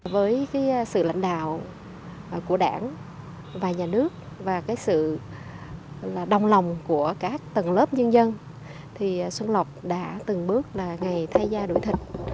với sự lãnh đạo của đảng và nhà nước và sự đồng lòng của các tầng lớp nhân dân thì xuân lộc đã từng bước là ngày thay ra đổi thịt